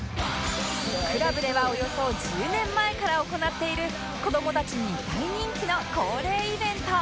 クラブではおよそ１０年前から行っている子供たちに大人気の恒例イベント